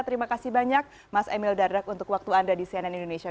terima kasih banyak mas emil dardak untuk waktu anda di cnn indonesia